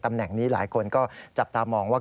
ตำแหน่งนี้หลายคนก็จับตามองว่า